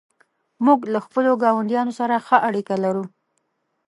موږ له خپلو ګاونډیانو سره ښه اړیکه لرو.